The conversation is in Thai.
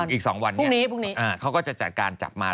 อีก๒วัน